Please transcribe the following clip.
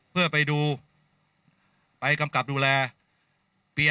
เพื่อไปดูไปกำกับดูแลปี๒๕